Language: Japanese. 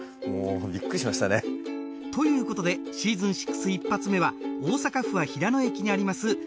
もうびっくりしましたね。ということでシーズン６一発目は大阪府は平野駅にあります